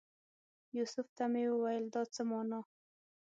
یوسف ته مې وویل دا څه مانا؟